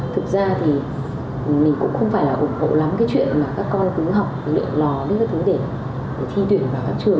thực ra thì mình cũng không phải là ủng hộ lắm cái chuyện mà các con cứ học luyện lò những cái thứ để thi tuyển vào các trường